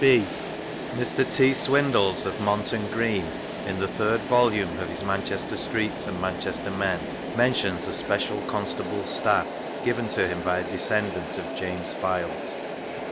{b) Mr. T. Swindells, of Monton Green, in the tturd volume of his Manchester Streets and Manchester Men, mentions " A Special Constable's Staff " given to him by a descend^! of James Fildes.